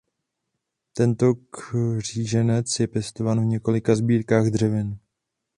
Tento kříženec je pěstován v několika sbírkách dřevin.